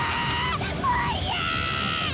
もう嫌ぁ！